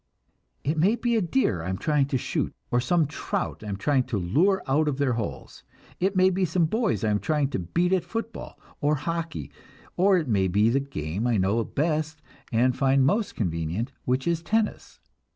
It may be a deer I am trying to shoot, or some trout I am trying to lure out of their holes; it may be some boys I am trying to beat at football or hockey, or it may be the game I know best and find most convenient, which is tennis.